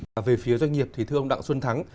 và về phía doanh nghiệp thì thưa ông đặng xuân thắng